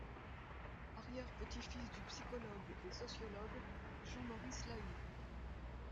Arrière-petit-fils du psychologue et sociologue Jean-Maurice Lahy.